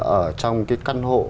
ở trong cái căn hộ